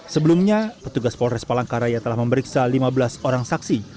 sebelumnya petugas polres palangkaraya telah memeriksa lima belas orang saksi